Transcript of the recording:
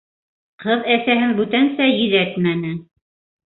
Ҡыҙ әсәһен бүтәнсә йөҙәтмәне.